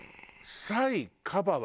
サイカバは。